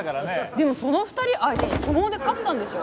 でもその２人相手に相撲で勝ったんでしょ？